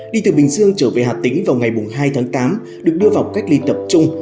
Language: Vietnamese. đi từ bình dương trở về hà tĩnh vào ngày hai tháng tám được đưa vào cách ly tập trung